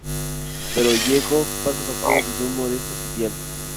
Pero Gieco pasa factura desde un modesto sitial.